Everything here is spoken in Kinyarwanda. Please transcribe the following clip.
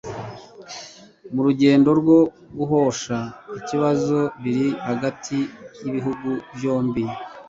mu rugendo rwo guhosha ikibazo biri hagati y'ibihugu byombi